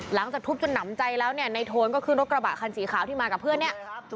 หลังจากทุบจนหนำใจแล้วเนี่ยในโทนก็ขึ้นรถกระบะคันสีขาวที่มากับเพื่อนเนี่ย